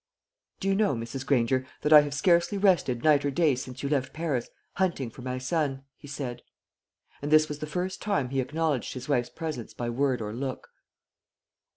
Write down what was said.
"Do you know, Mrs. Granger, that I have scarcely rested night or day since you left Paris, hunting for my son?" he said. And this was the first time he acknowledged his wife's presence by word or look.